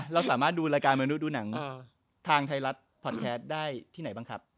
เราสามารถดูรายการมนุษย์ดูหนังทางไทยรัฐพอดแคสต์ได้ที่ไหนบ้างครับ